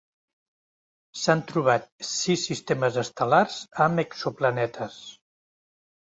S'han trobat sis sistemes estel·lars amb exoplanetes.